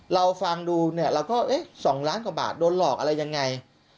เราฟังดูเนี่ยเราก็เอ๊ะ๒ล้านกว่าบาทโดนหลอกอะไรยังไง